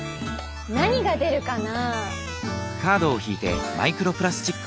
何が出るかな？